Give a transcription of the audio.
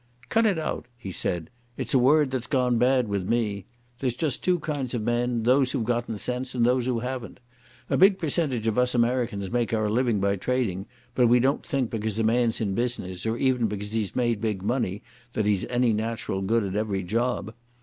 "Cut it out," he said. "It is a word that's gone bad with me. There's just two kind of men, those who've gotten sense and those who haven't. A big percentage of us Americans make our living by trading, but we don't think because a man's in business or even because he's made big money that he's any natural good at every job.